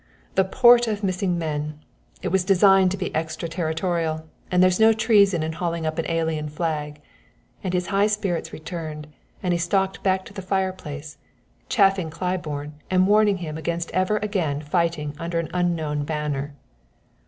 "The Port of Missing Men! It was designed to be extra territorial, and there's no treason in hauling up an alien flag," and his high spirits returned, and he stalked back to the fireplace, chaffing Claiborne and warning him against ever again fighting under an unknown banner.